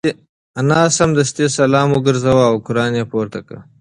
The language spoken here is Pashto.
انا سمدستي سلام وگرځاوه او قران یې پورته کړ.